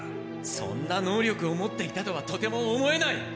そんな能力を持っていたとはとても思えない！